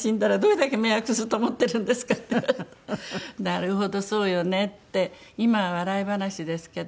「なるほどそうよね」って今は笑い話ですけど。